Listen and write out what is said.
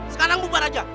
sekarang bubar aja